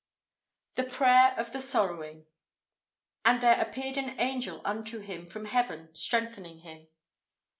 THE PRAYER OF THE SORROWING. "And there appeared an angel unto him from heaven strengthening him."